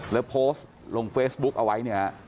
แล้วโพสต์ลงเฟซบุ๊กเอาไว้